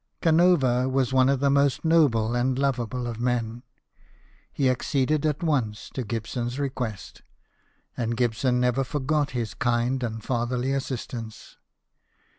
Canova was one of the most noble and lovable of men. He acceded at once to Gibson's request, and Gibson never forgot his kind and fatherly assist ance.